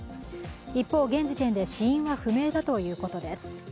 一方、現時点で死因は不明だということです。